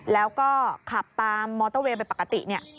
แล้วก็ขับตามมอเตอร์เวย์ไปปกติเนี่ย